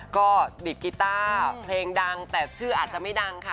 ก็ดีดกีต้าเพลงดังแต่ชื่ออาจจะไม่ดังค่ะ